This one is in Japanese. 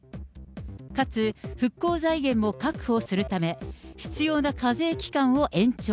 かつ復興財源も確保するため、必要な課税期間を延長。